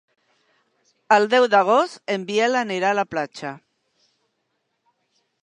El deu d'agost en Biel anirà a la platja.